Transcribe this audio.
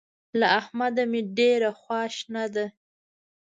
له احمده مې ډېره خواشنه ده.